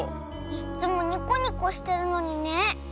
いっつもニコニコしてるのにね。